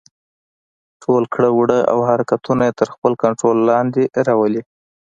ټول کړه وړه او حرکتونه يې تر خپل کنټرول لاندې راولي.